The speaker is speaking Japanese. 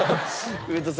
上戸さん